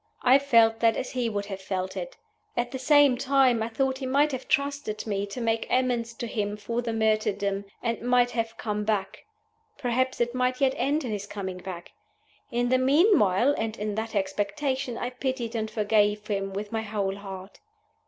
I felt that as he would have felt it. At the same time I thought he might have trusted Me to make amends to him for the martyrdom, and might have come back. Perhaps it might yet end in his coming back. In the meanwhile, and in that expectation, I pitied and forgave him with my whole heart.